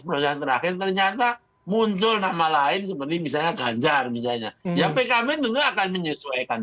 proses terakhir ternyata muncul nama lain seperti misalnya ganjar misalnya ya pkb tentu akan menyesuaikan